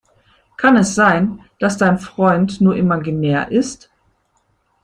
Kann es sein, dass dein Freund nur imaginär ist?